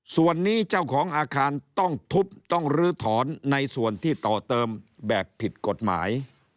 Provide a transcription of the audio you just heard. ส่วนนี้เจ้าของอาคารต้องทุบต้องลื้อถอนในส่วนที่ต่อเติมแบบผิดกฎหมาย